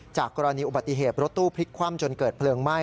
กรณีอุบัติเหตุรถตู้พลิกคว่ำจนเกิดเพลิงไหม้